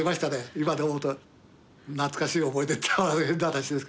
今で思うと懐かしい思い出っても変な話ですけど。